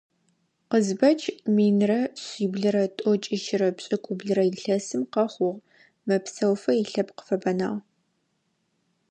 Къызбэч минрэ шъиблрэ тӀокӀищырэ пшӀыкӀублырэ илъэсым къэхъугъ, мэпсэуфэ илъэпкъ фэбэнагъ.